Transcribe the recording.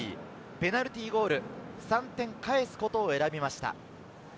ペナルティーゴール、３点返すことを選びました。